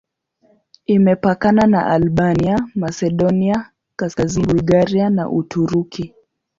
Imepakana na Albania, Masedonia Kaskazini, Bulgaria na Uturuki.